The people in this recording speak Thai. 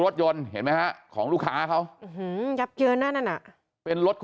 รถยนต์เห็นไหมฮะของลูกค้าเขายับเยินนั่นน่ะเป็นรถ